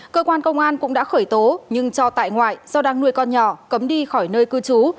cơ quan công an cũng đã khởi tố nhưng cho tại ngoại do đang nuôi con nhỏ cấm đi khỏi nơi cư trú